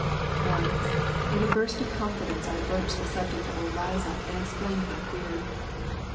Once, in a burst of confidence I broached the subject to old Liza and explained my theory.